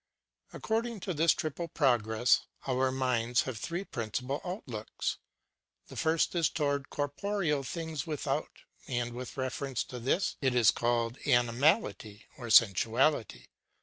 According to this triple progress, our minds have three princi pal outlooks. The first is toward corporeal things without, and with reference to this it is called animality or sensuality.